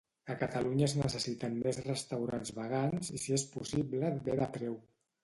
A Catalunya es necessiten més restaurants vegans i si és possible bé de preu